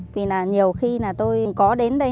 vì nhiều khi tôi có đến đây